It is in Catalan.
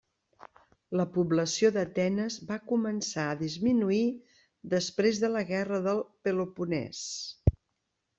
La població d'Atenes va començar a disminuir després de la Guerra del Peloponès.